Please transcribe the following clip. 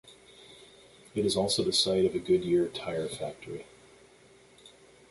It is also the site of a Goodyear tyre factory.